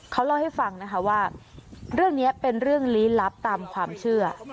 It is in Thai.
เขาเล่าให้ฟังนะคะว่าเรื่องนี้เป็นเรื่องลี้ลับตามความเชื่อ